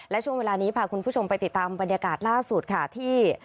และช่วงเวลานี้พาคุณผู้ชมไปติดตามบรรยากาศล่าสุดค่ะที่